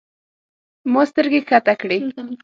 ما سترګې کښته کړې.